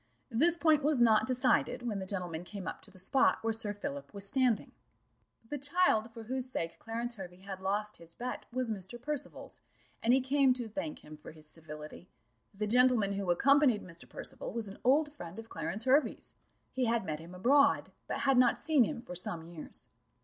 This point was not decided when the gentlemen came up to the spot where Sir Philip was standing. The child for whose sake Clarence Hervey had lost his bet was Mr. Percival's, and he came to thank him for his civility. The gentleman who accompanied Mr. Percival was an old friend of Clarence Hervey's; he had met him abroad, but had not seen him for some years.